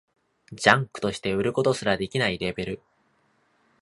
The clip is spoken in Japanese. ジャンクとして売ることすらできないレベル